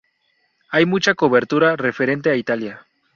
Hay mucha cobertura referente a Italia.